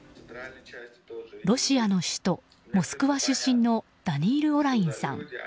ロシアの首都モスクワ出身のダニイル・オラインさん。